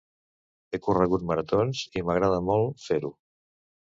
He corregut maratons i m'agrada molt fer-ho.